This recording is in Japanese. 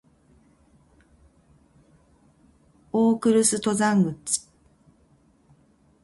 大楠登山口